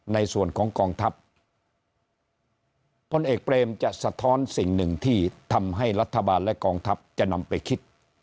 ในส่วนของกองทัพพลเอกเปรมจะสะท้อนสิ่งหนึ่งที่ทำให้รัฐบาลและกองทัพจะนำไปคิด